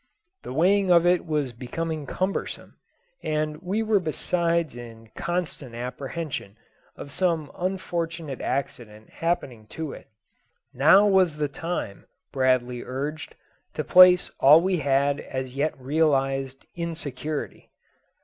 The weight of it was becoming cumbersome, and we were besides in constant apprehension of some unfortunate accident happening to it. Now was the time, Bradley urged, to place all we had as yet realised in security.